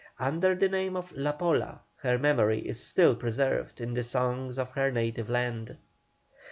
Under the name of La Pola her memory is still preserved in the songs of her native land.